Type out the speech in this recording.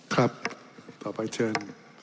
ครับต่อไปเชิญ